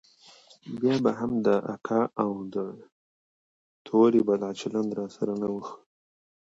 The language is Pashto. بيا به هم د اکا او د تورې بلا چلند راسره نه و ښه.